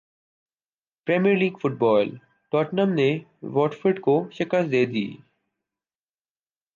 premiere league football Tottenham نے Watford کو شکست دیدی